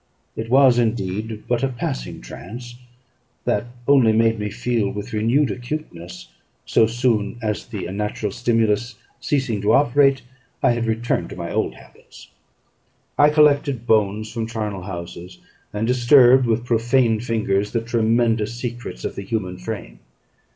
It was indeed but a passing trance, that only made me feel with renewed acuteness so soon as, the unnatural stimulus ceasing to operate, I had returned to my old habits. I collected bones from charnel houses; and disturbed, with profane fingers, the tremendous secrets of the human frame.